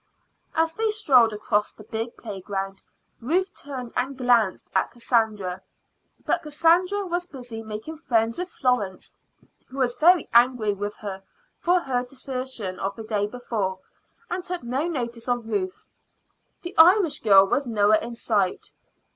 As they strolled across the big playground, Ruth turned and glanced at Cassandra; but Cassandra was busy making friends with Florence, who was very angry with her for her desertion of the day before, and took no notice of Ruth. The Irish girl was nowhere in sight.